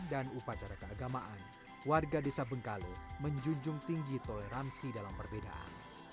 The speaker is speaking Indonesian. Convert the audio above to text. dan upacara keagamaan warga desa bengkale menjunjung tinggi toleransi dalam perbedaan